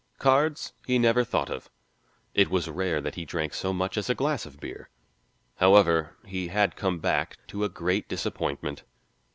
Cards he never thought of. It was rare that he drank so much as a glass of beer. However, he had come back to a great disappointment.